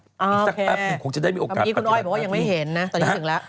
อีกสักแป๊บหนึ่งคงจะได้มีโอกาสนี่คุณอ้อยบอกว่ายังไม่เห็นนะตอนนี้ถึงแล้ว